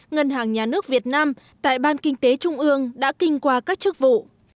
ngân hàng nhà nước việt nam tại ban kinh tế trung ương đã kinh qua các chức vụ